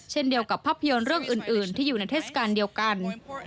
เช่นเดียวกับภาพยนตร์เรื่องอื่นที่อยู่ในเทศกาลเดียวกัน